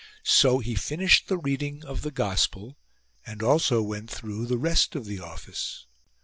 So he finished the reading of the gospel, and also went through the rest of the office.